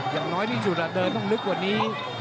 อย่างน้อยที่สุดเดินต้องลึกกว่านี้